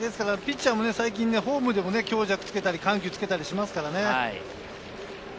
ピッチャーも最近フォームでも強弱、緩急をつけたりしますからね。